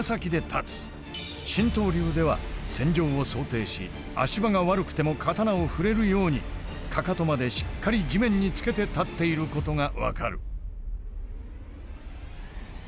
神道流では戦場を想定し足場が悪くても刀を振れるようにかかとまでしっかり地面につけて立っていることが分かる。